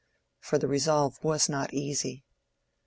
For the resolve was not easy.